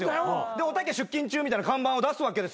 で「おたけ出勤中」みたいな看板を出すわけですよ。